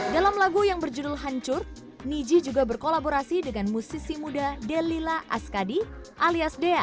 dalam lagu yang berjudul hancur niji juga berkolaborasi dengan musisi muda delila askadi alias dea